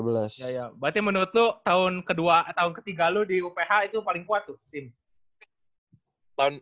berarti menurut lu tahun ketiga lu di uph itu paling kuat tuh tim